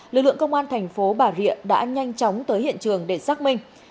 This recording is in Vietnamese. lực lượng công an thành phố bà rịa đã nhanh chóng tới hiện trường để xác minh